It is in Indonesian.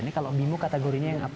ini kalau bimo kategorinya yang apa